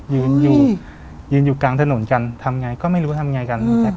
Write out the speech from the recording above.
ยืนอยู่กลางถนนกันทำไงก็ไม่รู้ทำไงกัน